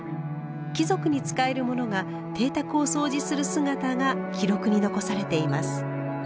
貴族に仕える者が邸宅をそうじする姿が記録に残されています。